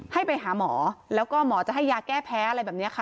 ให้ไปหาหมอแล้วก็หมอจะให้ยาแก้แพ้อะไรแบบนี้ค่ะ